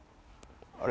あれ？